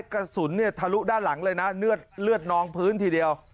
กระสุนทะลุด้านหลังเลยนะเลือดนองพื้นทีเดียว